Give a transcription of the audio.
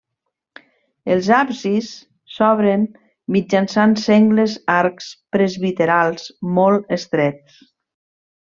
Els absis s'obren mitjançant sengles arcs presbiterals molt estrets.